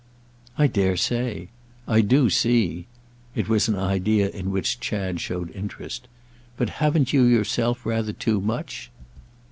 "I dare say. I do see." It was an idea in which Chad showed interest. "But haven't you yourself rather too much?"